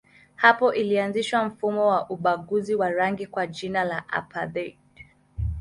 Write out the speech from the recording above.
Hapo ilianzisha mfumo wa ubaguzi wa rangi kwa jina la apartheid.